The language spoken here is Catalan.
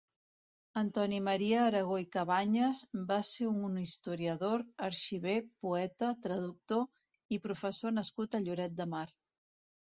Antoni Maria Aragó i Cabañas va ser un historiador, arxiver, poeta, traductor i professor nascut a Lloret de Mar.